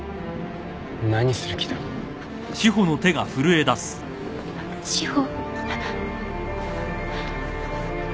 何する気だ？史穂？